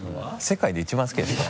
世界で一番好きですね。